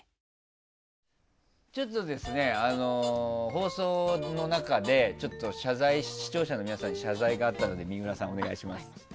放送の中でちょっと視聴者の皆さんに謝罪があったので水卜さん、お願いします。